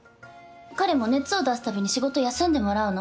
彼も熱を出すたびに仕事休んでもらうの？